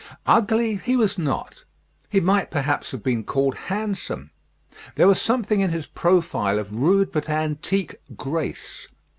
Ugly he was not. He might, perhaps, have been called handsome. There was something in his profile of rude but antique grace.